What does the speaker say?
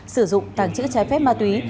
sử dụng tàng trữ trái phép ma túy